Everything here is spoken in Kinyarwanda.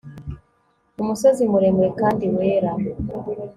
umusozi muremure kandi wera